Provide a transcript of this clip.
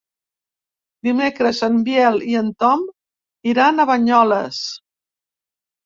Dimecres en Biel i en Tom iran a Banyoles.